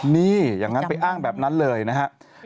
นี่อย่างนั้นไปอ้างแบบนั้นเลยนะครับ